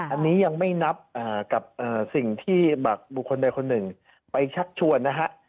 อันนี้ยังไม่นับกับสิ่งที่บุคคลใดคนหนึ่งไปชักชวนนะฮะ